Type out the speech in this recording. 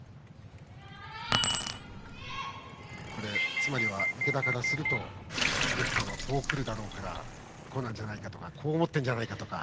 つまりは池田からすると梅木さんはこう来るだろうからこうなんじゃないかとかこう思っているのではとか。